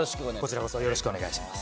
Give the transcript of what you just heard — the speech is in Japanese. よろしくお願いします。